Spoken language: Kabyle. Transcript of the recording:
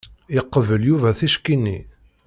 Yeqbel Yuba tikci-nni.